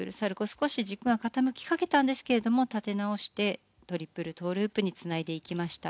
少し軸が傾きかけたんですが立て直してトリプルトウループにつないでいきました。